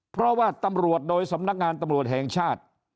เพราะว่าตำรวจโดยสำนักงานตำรวจแห่งชาติ